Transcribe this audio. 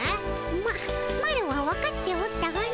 まマロはわかっておったがの。